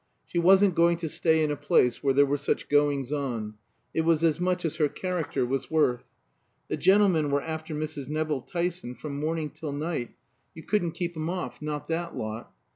She wasn't going to stay in a place where there were such goings on; it was as much as her character was worth. The gentlemen were after Mrs. Nevill Tyson from morning till night, you couldn't keep 'em off not that lot.